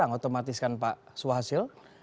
tapi kurang otomatis kan pak sebuah hasil